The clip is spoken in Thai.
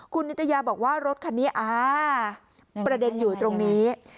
คุณนิตยาบอกว่ารถคันนี้อ่าประเด็นอยู่ตรงนี้